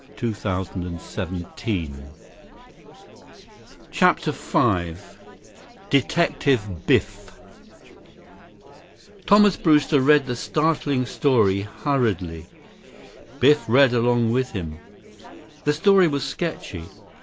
Dr. Weber, Famous Scientist, Missing 25 CHAPTER V Detective Biff Thomas Brewster read the startling story hurriedly. Biff read along with him. The story was sketchy.